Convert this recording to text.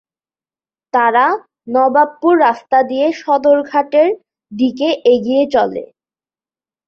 তারা নবাবপুর রাস্তা দিয়ে সদর ঘাট-এর দিকে এগিয়ে চলে।